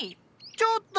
ちょっと！